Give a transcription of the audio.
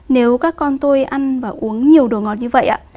nếu các con tôi ăn và uống nhiều đồ ngọt như vậy ạ